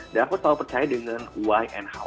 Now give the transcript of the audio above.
dan aku selalu percaya dengan why and how